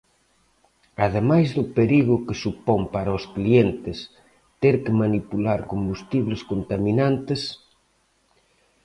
Ademais do perigo que supón para os clientes ter que manipular combustibles contaminantes.